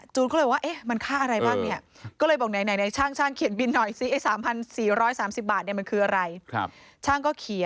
จูนก็เลยบอกว่ามันค่าอะไรบ้าง